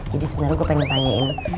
jadi sebenernya gua pengen tanyain